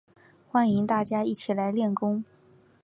欢迎大家一起来练功